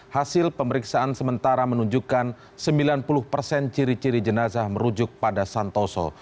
hasil pemeriksaan sementara menunjukkan sembilan puluh persen ciri ciri jenazah merujuk pada santoso